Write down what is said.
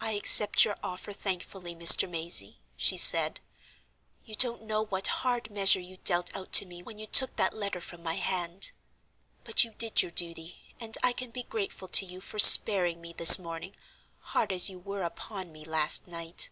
"I accept your offer thankfully, Mr. Mazey," she said. "You don't know what hard measure you dealt out to me when you took that letter from my hand. But you did your duty, and I can be grateful to you for sparing me this morning, hard as you were upon me last night.